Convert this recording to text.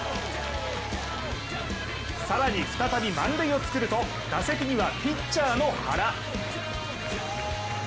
更に再び満塁をつくると打席にはピッチャーの原。